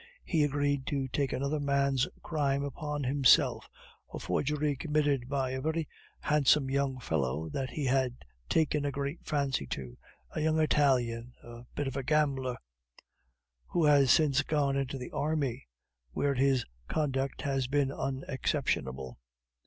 He agreed to take another man's crime upon himself a forgery committed by a very handsome young fellow that he had taken a great fancy to, a young Italian, a bit of a gambler, who has since gone into the army, where his conduct has been unexceptionable."